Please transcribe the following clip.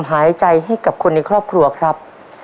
หายใจให้กับคนในครอบครัวครับ